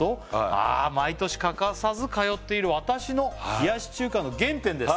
ああ「毎年欠かさず通っている私の冷やし中華の原点です」